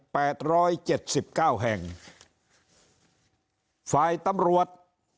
ร้อยเจ็ดสิบเก้าแห่งฝ่ายตำรวจ